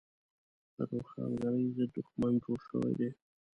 د روښانګرۍ ضد دښمن جوړ شوی دی.